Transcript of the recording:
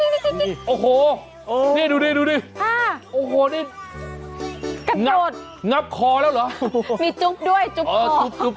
นี่ดูดิดูดินับคอแล้วหรอมีจุ๊บด้วยจุ๊บคอ